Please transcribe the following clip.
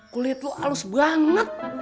kulit lu alus banget